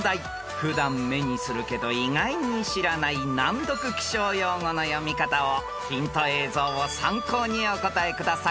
［普段目にするけど意外に知らない難読気象用語の読み方をヒント映像を参考にお答えください］